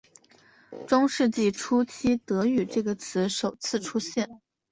中世纪初期德语这个词首次出现。